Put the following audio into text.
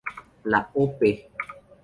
La Op.